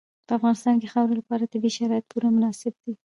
په افغانستان کې د خاورې لپاره طبیعي شرایط پوره مناسب دي.